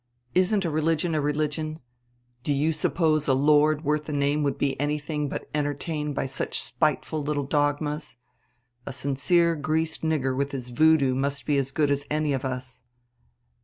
Isn't a religion a religion? Do you suppose a Lord worth the name would be anything but entertained by such spiteful little dogmas. A sincere greased nigger with his voodoo must be as good as any of us."